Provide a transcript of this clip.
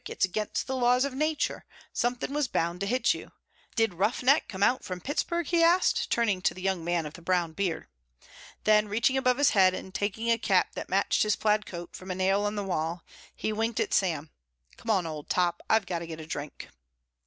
It's against the laws of Nature. Something was bound to hit you. Did Roughneck come out from Pittsburgh?" he asked, turning to the young man of the brown beard. Then reaching above his head and taking a cap that matched his plaid coat from a nail on the wall, he winked at Sam. "Come on, Old Top. I've got to get a drink."